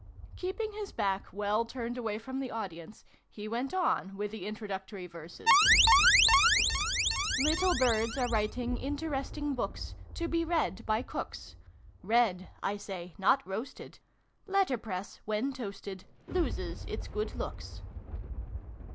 Keeping his back well turned away from the audience, he went on with the Intro ductory Verses ; xxm] THE PIG TALE. 371 Little Birds are writing Interesting books, To be read by cooks : Read, I say, not roasted Letterpress, when toasted, Loses its good looks.